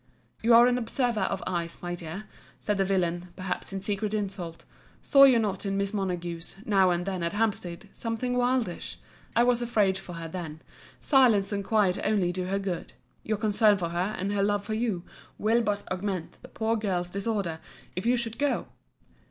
You are an observer of eyes, my dear, said the villain; perhaps in secret insult: Saw you not in Miss Montague's, now and then at Hampstead, something wildish? I was afraid for her then. Silence and quiet only do her good: your concern for her, and her love for you, will but augment the poor girl's disorder, if you should go.